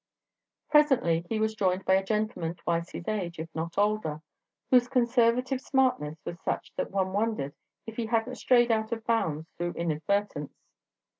Presently he was joined by a gentleman twice his age, if not older, whose conservative smartness was such that one wondered if he hadn't strayed out of bounds through inadvertence.